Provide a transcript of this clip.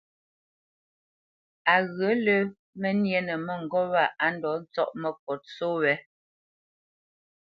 Á ghyə̂ lə́ mə́ nyénə mə́ŋgôp wa á ndɔ̌ ntsɔ́ʼ məkǒt só wě.